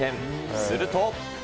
すると。